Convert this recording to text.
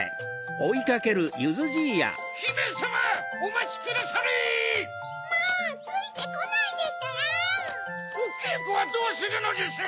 おけいこはどうするのです？